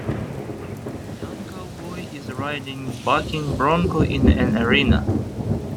A young cowboy is riding bucking bronco in an arena.